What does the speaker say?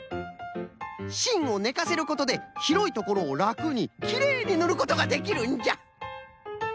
しんをねかせることでひろいところをらくにきれいにぬることができるんじゃ。